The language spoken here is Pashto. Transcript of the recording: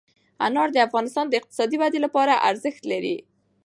انار د افغانستان د اقتصادي ودې لپاره ارزښت لري.